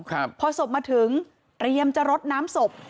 ครับพอศพมาถึงเตรียมจะรดน้ำศพ